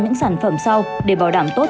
những sản phẩm sau để bảo đảm tốt